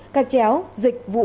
các chéo dịch vụ